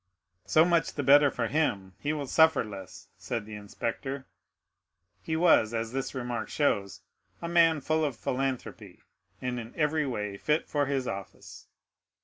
"So much the better for him,—he will suffer less," said the inspector. He was, as this remark shows, a man full of philanthropy, and in every way fit for his office.